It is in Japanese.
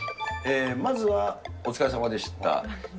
まずはお疲れさまでした！